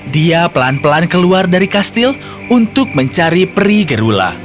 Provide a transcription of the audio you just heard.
dia pelan pelan keluar dari kastil untuk mencari peri gerula